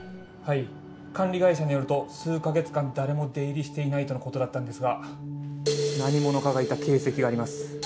はい管理会社によると数か月間誰も出入りしていないとのことだったんですが何者かがいた形跡があります。